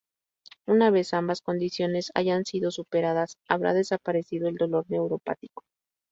Una vez ambas condiciones hayan sido superadas, habrá desaparecido el dolor neuropático.